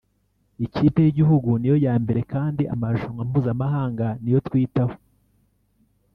Ikipe y’igihugu niyo ya mbere kandi amarushanwa mpuzamahanga niyo twitaho